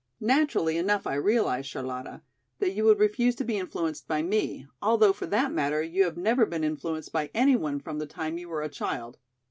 "Naturally enough I realize, Charlotta, that you would refuse to be influenced by me, although for that matter you have never been influenced by any one from the time you were a child."